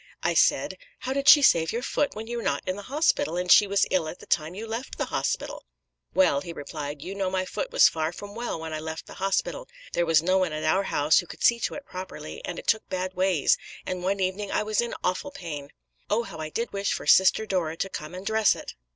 I said, 'How did she save your foot when you were not in the hospital, and she was ill at the time you left the hospital?' 'Well,' he replied, 'you know my foot was far from well when I left the hospital; there was no one at our house who could see to it properly, and it took bad ways, and one evening I was in awful pain. Oh, how I did wish for Sister Dora to come and dress it!